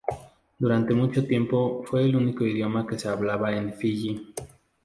Durante mucho tiempo, fue el único idioma que se hablaba en Fiji.